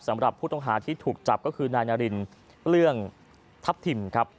สำหรับผู้ต้องหาที่ถูกจับก็คือนายนารินเรื่องทัพทิมครับ